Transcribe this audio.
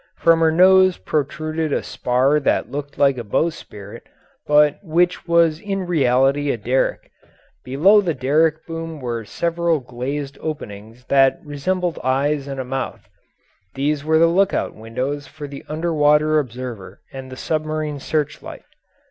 From her nose protruded a spar that looked like a bowsprit but which was in reality a derrick; below the derrick boom were several glazed openings that resembled eyes and a mouth: these were the lookout windows for the under water observer and the submarine searchlight.